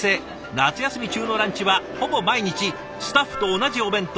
夏休み中のランチはほぼ毎日スタッフと同じお弁当。